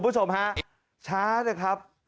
ช้านะครับ